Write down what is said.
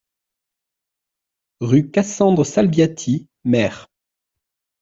Rue Cassandre Salviati, Mer